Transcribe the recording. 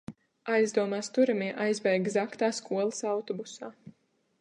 Aizdomās turamie aizbēga zagtā skolas autobusā.